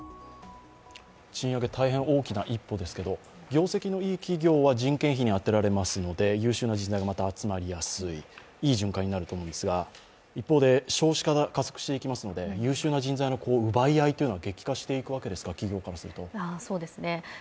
賃上げ、大変大きな一歩ですけれども、業績のいい企業は人件費に充てられますので優秀な人材がまた集まりやすい、いい循環になると思いますが一方で少子化も進んでいますので優秀な人材の奪い合いというのは激化していくわけですか企業からすると。